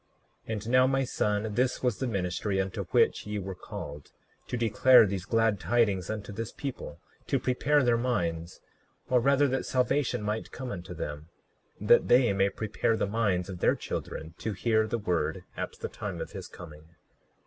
39:16 And now, my son, this was the ministry unto which ye were called, to declare these glad tidings unto this people to prepare their minds; or rather that salvation might come unto them, that they may prepare the minds of their children to hear the word at the time of his coming.